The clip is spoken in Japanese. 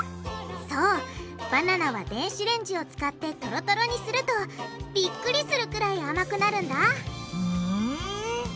そうバナナは電子レンジを使ってトロトロにするとビックリするくらい甘くなるんだふん。